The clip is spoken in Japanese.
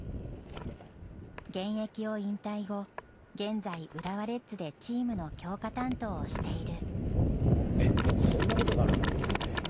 現役を引退後、現在、浦和レッズでチームの強化担当をしている。